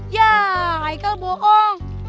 yah aikal bohong